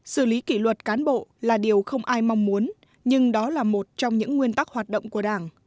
xử lý kỷ luật cán bộ là điều không ai mong muốn nhưng đó là một trong những nguyên tắc hoạt động của đảng